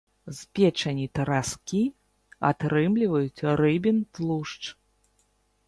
З печані траскі атрымліваюць рыбін тлушч.